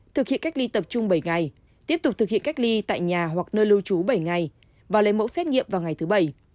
thực hiện cách ly tập trung bảy ngày tiếp tục thực hiện cách ly tại nhà hoặc nơi lưu trú bảy ngày và lấy mẫu xét nghiệm vào ngày thứ bảy